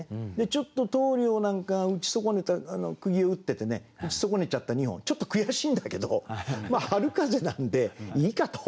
ちょっと棟りょうなんかが打ち損ねた釘を打っててね打ち損ねちゃった二本ちょっと悔しいんだけどまあ春風なんでいいかと。